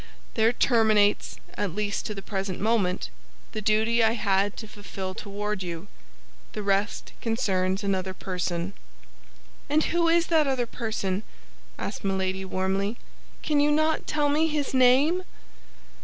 There terminates, at least to the present moment, the duty I had to fulfill toward you; the rest concerns another person." "And who is that other person?" asked Milady, warmly. "Can you not tell me his name?"